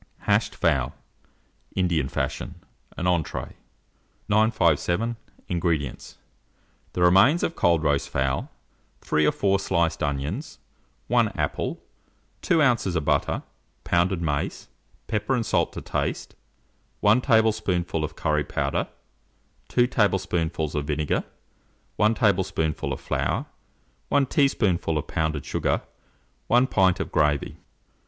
HASHED FOWL, Indian Fashion (an Entree). 957. INGREDIENTS. The remains of cold roast fowl, 3 or 4 sliced onions, 1 apple, 2 oz. of butter, pounded mace, pepper and salt to taste, 1 tablespoonful of curry powder, 2 tablespoonfuls of vinegar, 1 tablespoonful of flour, 1 teaspoonful of pounded sugar, 1 pint of gravy.